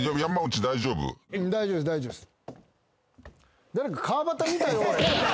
大丈夫です大丈夫です。